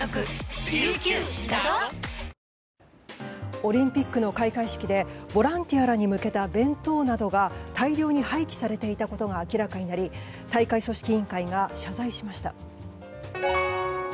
オリンピックの開会式でボランティアらに向けた弁当などが大量に廃棄されていたことが明らかになり大会組織委員会が謝罪しました。